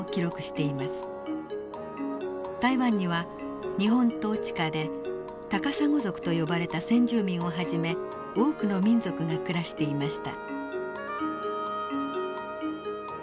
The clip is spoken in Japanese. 台湾には日本統治下で高砂族と呼ばれた先住民をはじめ多くの民族が暮らしていました。